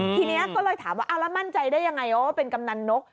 ทีนี้ก็เลยถามว่าเอาแล้วมั่นใจได้ยังไงว่าเป็นกำนันนก